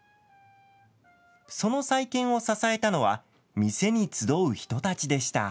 その再建を支えたのは店に集う人たちでした。